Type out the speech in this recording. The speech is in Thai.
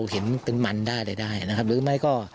เป็นมันได้เลยได้หรือไม่ก็